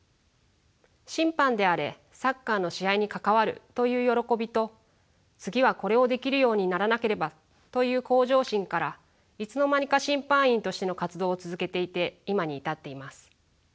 審判であれサッカーの試合に関わるという喜びと次はこれをできるようにならなければという向上心からいつの間にか審判員としての活動を続けていて今に至っています。